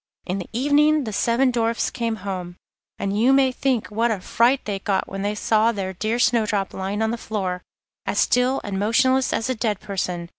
In the evening the seven Dwarfs came home, and you may think what a fright they got when they saw their dear Snowdrop lying on the floor, as still and motionless as a dead person.